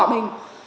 không bỏ mình